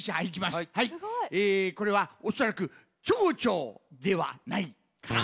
すごい！えこれはおそらくではないかな？